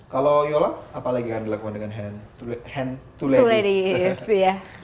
kalau yola apalagi yang dilakukan dengan hand to ladies